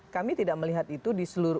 kami tidak melihat itu di seluruh